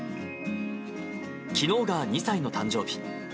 きのうが２歳の誕生日。